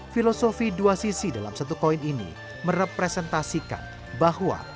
filosofi dua sisi dalam satu koin ini merepresentasikan bahwa